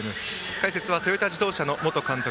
解説はトヨタ自動車の元監督。